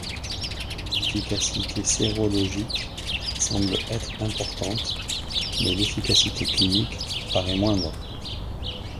L'efficacité sérologique semble être importante, mais l'efficacité clinique paraît moindre.